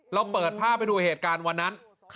เราเปิดภาพให้ดูเหตุการณ์วันนั้น